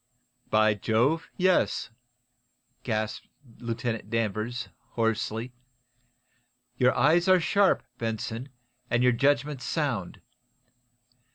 "By Jove, yes!" gasped Lieutenant Danvers, hoarsely. "Your eyes are sharp, Benson, and your judgment sound.